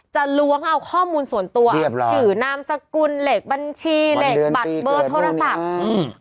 ล้วงเอาข้อมูลส่วนตัวชื่อนามสกุลเลขบัญชีเลขบัตรเบอร์โทรศัพท์อืม